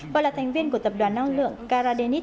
và là thành viên của tập đoàn năng lượng caradenic